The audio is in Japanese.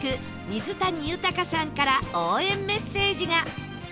水谷豊さんから応援メッセージが！